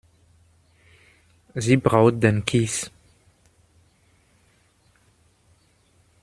Sie braucht den Kies.